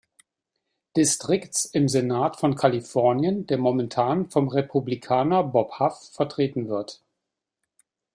Distrikts im Senat von Kalifornien, der momentan vom Republikaner Bob Huff vertreten wird.